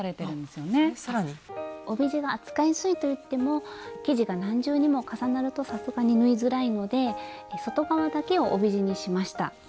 帯地が扱いやすいと言っても生地が何重にも重なるとさすがに縫いづらいので外側だけを帯地にしました。